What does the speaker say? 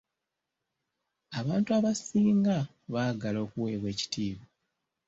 Abantu abasinga baagala okuweebwa ekitiibwa.